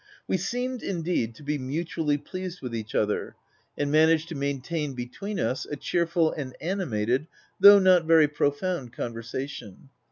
We seemed, indeed, 40 THE TENANT to be mutually pleased with each other, and managed to maintain between us a cheerful and animated, though not very profound conversa tion.